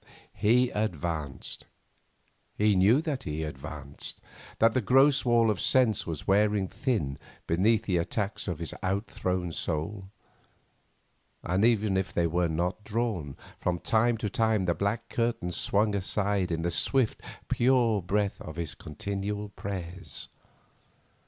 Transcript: He advanced; he knew that he advanced, that the gross wall of sense was wearing thin beneath the attacks of his out thrown soul; that even if they were not drawn, from time to time the black curtains swung aside in the swift, pure breath of his continual prayers.